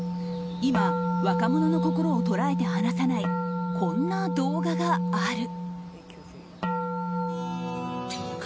今、若者の心を捉えて離さないこんな動画がある。